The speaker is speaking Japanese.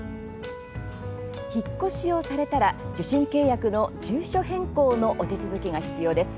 引っ越しをされたら受信契約の住所変更のお手続きが必要です。